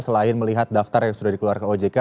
selain melihat daftar yang sudah dikeluarkan ojk